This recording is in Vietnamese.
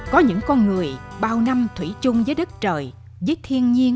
có những con người bao năm thủy chung với đất trời với thiên nhiên